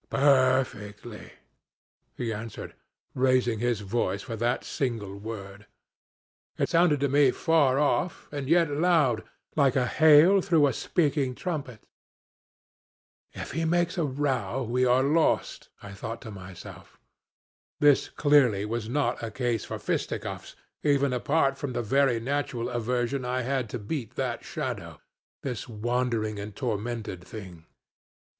'Perfectly,' he answered, raising his voice for that single word: it sounded to me far off and yet loud, like a hail through a speaking trumpet. 'If he makes a row we are lost,' I thought to myself. This clearly was not a case for fisticuffs, even apart from the very natural aversion I had to beat that Shadow this wandering and tormented thing.